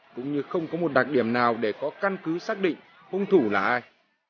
cũng như không có một đặc điểm nào để có căn cứ xác định hung thủ là ai